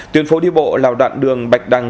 tuyên phố đi bộ lào đoạn đường bạch đằng